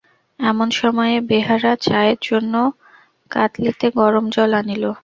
এমন সময়ে বেহারা চায়ের জন্য কাৎলিতে গরম জল আনিল।